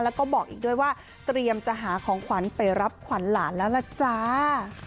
แล้วก็บอกอีกด้วยว่าเตรียมจะหาของขวัญไปรับขวัญหลานแล้วล่ะจ้า